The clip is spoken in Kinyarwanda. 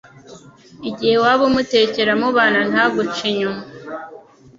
igihe waba umutekera mubana ntaguca inyuma